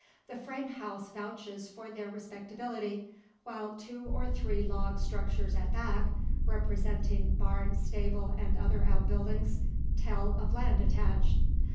The frame house vouches for their respectability; while two or three log structures at back representing barn, stable, and other outbuildings tell of land attached.